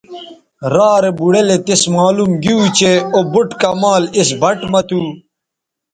را رے بوڑیلے تس معلوم گیو چہء او بُٹ کمال اِس بَٹ مہ تھو